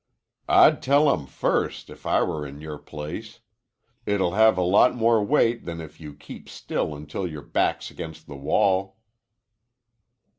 "I'd tell 'em first, it I were in your place. It'll have a lot more weight than if you keep still until your back's against the wall."